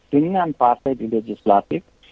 dengan partai di legislatif